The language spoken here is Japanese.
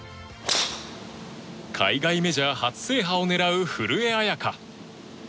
海外メジャー初制覇を狙う古江彩佳。